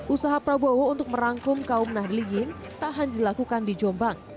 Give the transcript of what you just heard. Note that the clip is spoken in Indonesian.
usaha prabowo untuk merangkum kaum nahdilihin tahan dilakukan di jombang